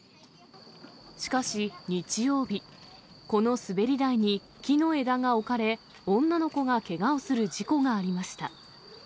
しかし、日曜日、この滑り台に木の枝が置かれ、女の子がけがをする事故がありました。